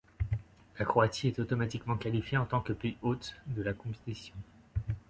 La Croatie est automatiquement qualifié en tant que pays hôte de la compétition.